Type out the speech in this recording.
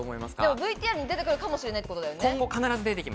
ＶＴＲに出てくるかもしれないってことだよね。